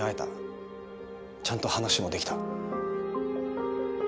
ちゃんと話もできた。